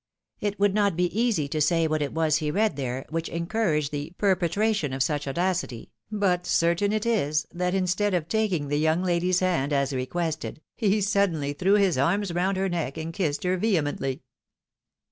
It would not be easy to say what it was he read there which encouraged the perpetration of such audacity, but certain it is, that, instead of taking the young lady's hand as requested, he suddenly threw his arms round her neck and kissed her vehemently.